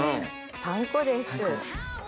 パン粉です。